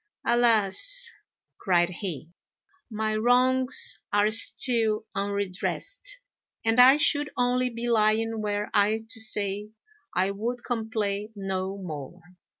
"Alas!" cried he, "my wrongs are still unredressed, and I should only be lying were I to say I would complain no more."